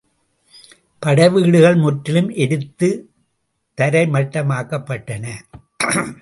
படைவீடுகள் முற்றிலும் எரித்துத் தரைமட்டமாக்கப்பட்டன.